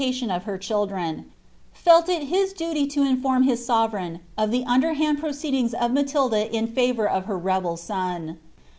T ban of her children, felt il his duty to inrorm his Boveteijn of the under haad proceeding o( MatdJa in favour of her rebel son.'